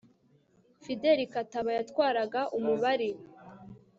fideli kataba yatwaraga umubari